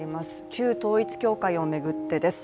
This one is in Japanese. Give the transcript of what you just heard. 旧統一教会を巡ってです。